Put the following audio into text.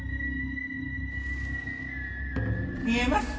見えます。